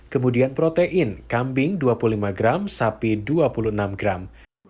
kemudian protein kambing dua puluh lima gram sapi dua puluh enam gram